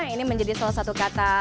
ini menjadi salah satu kata